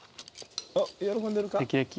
あっ喜んでるか？